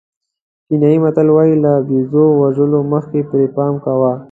کینیايي متل وایي له بېزو وژلو مخکې پرې پام کوه.